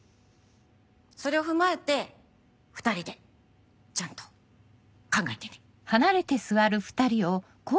それを踏まえて２人でちゃんと考えてね。